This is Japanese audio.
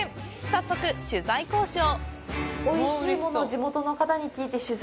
早速、取材交渉！